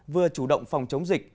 vừa chủ động phòng chống dịch